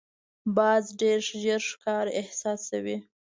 باز ډېر ژر ښکار احساسوي